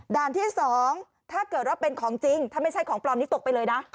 ที่๒ถ้าเกิดว่าเป็นของจริงถ้าไม่ใช่ของปลอมนี้ตกไปเลยนะ